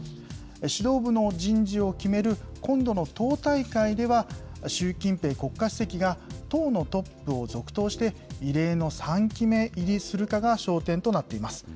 指導部の人事を決める今度の党大会では、習近平国家主席が党のトップを続投して、異例の３期目入りするかが焦点となっています。